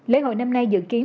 lễ hội năm nay dự kiến